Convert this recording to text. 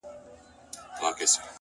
• هغه به زما له سترگو،